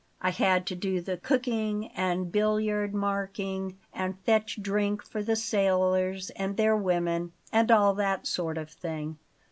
I had to do the cooking and billiard marking, and fetch drink for the sailors and their women, and all that sort of thing.